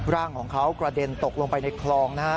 ร่างของเขากระเด็นตกลงไปในคลองนะฮะ